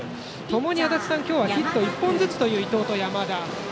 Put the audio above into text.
ともに足達さん、今日はヒット１本ずつという伊藤と山田。